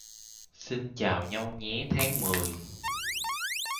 Xin chào nhau nhé tháng mười